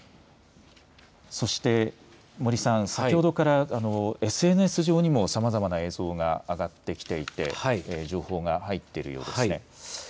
そして森さん、先ほどからＳＮＳ上にもさまざまな映像が上がってきていて情報が入っているようですね。